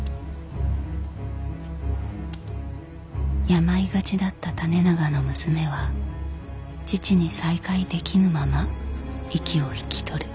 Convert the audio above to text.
病がちだった胤長の娘は父に再会できぬまま息を引き取る。